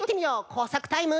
こうさくタイム。